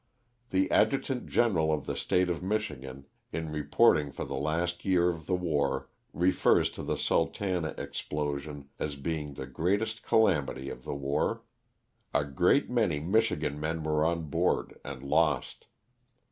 The adjutant general of the State of Michigan, in reporting for the last year of the war, refers to the Sultana" explosion as being the greatest calamity of the war ; a great many Michigan men were on board and lost.